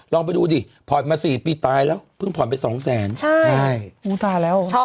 ลองไปดูดิผ่อนมาสี่ปีตายแล้วเพิ่งผ่อนไปสองแสนใช่ใช่อู้ตายแล้ว